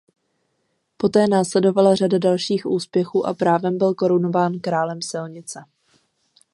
Poté následovala řada dalších úspěchů a právem byl korunován králem silnice.